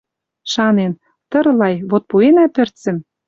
Шанен: «Тырлай, вот пуэнӓ перцӹм!